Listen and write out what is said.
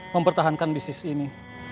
mempertahankan bisnis ini